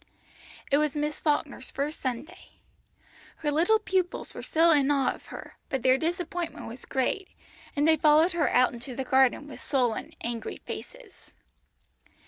It was Miss Falkner's first Sunday. Her little pupils were still in awe of her, but their disappointment was great, and they followed her out into the garden with sullen, angry faces.